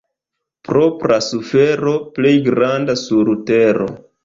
Propra sufero — plej granda sur tero.